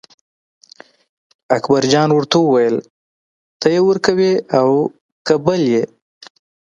اکبرجان ورته وویل ته یې ورکوې او که بل یې.